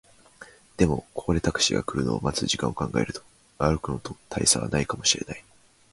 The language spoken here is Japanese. でも、ここでタクシーが来るのを待つ時間を考えると、歩くのと大差はないかもしれない